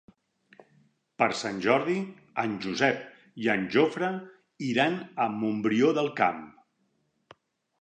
Per Sant Jordi en Josep i en Jofre iran a Montbrió del Camp.